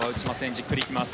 じっくり行きます。